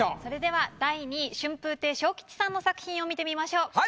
それでは第２位春風亭昇吉さんの作品を見てみましょう。